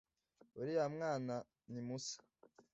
uriya mwana ni musa